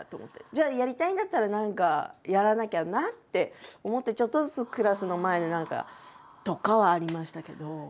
じゃあやりたいんだったら何かやらなきゃなって思ってちょっとずつクラスの前で何かとかはありましたけど。